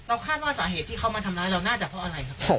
คาดว่าสาเหตุที่เขามาทำร้ายเราน่าจะเพราะอะไรครับ